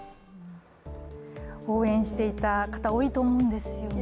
応援していた方、多いと思うんですよね。